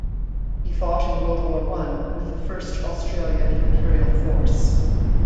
He fought in World War One with the First Australian Imperial Force.